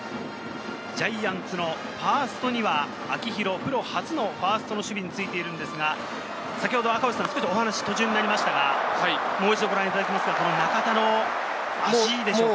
ジャイアンツのファーストには秋広、プロ初のファーストの守備についているんですが、先ほどお話、途中になりましたが、中田の足でしょうか。